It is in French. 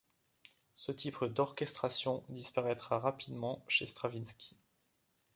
Ce type d'orchestration disparaitra rapidement chez Stravinsky.